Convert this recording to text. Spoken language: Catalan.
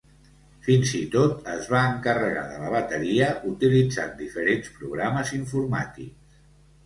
Fins i tot es va encarregar de la bateria utilitzant diferents programes informàtics.